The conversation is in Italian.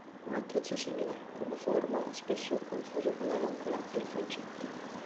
Un attrezzo simile come forma e spesso confuso con la roncola è il falcetto.